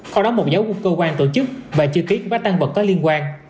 kho đón một giáo quốc cơ quan tổ chức và chư kiết bác tăng vật có liên quan